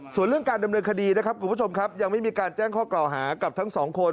ส่วนเรื่องการดำเนินคดีนะครับคุณผู้ชมครับยังไม่มีการแจ้งข้อกล่าวหากับทั้งสองคน